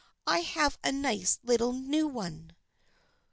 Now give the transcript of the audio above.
I have a nice little new one."